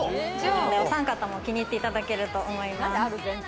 お３方も気に入っていただけると思います。